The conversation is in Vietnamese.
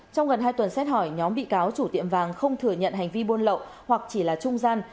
trong gần hai tuần xét hỏi nhóm bị cáo chủ tiệm vàng không thừa nhận hành vi buôn lậu hoặc chỉ là trung gian